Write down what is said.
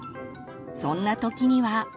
そんな時には。